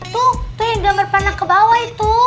tuh yang gambar panah kebawah itu